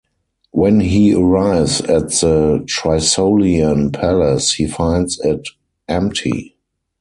When he arrives at the Trisolian palace, he finds it empty.